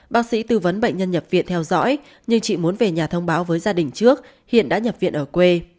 bác sĩ tư vấn bệnh nhân nhập viện theo dõi nhưng chị muốn về nhà thông báo với gia đình trước hiện đã nhập viện ở quê